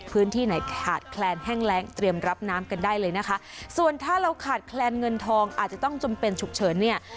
พื้นที่ไหนขาดแคลนแห้งแรงเตรียมรับน้ำกันได้เลยนะคะส่วนถ้าเราขาดแคลนเงินทองอาจจะต้องจำเป็นฉุกเฉินเนี่ย